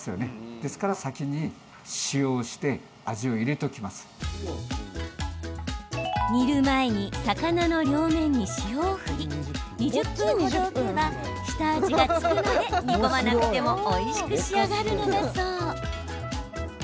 ですから煮る前に、魚の両面に塩を振り２０分程置けば下味が付くので煮込まなくてもおいしく仕上がるのだそう。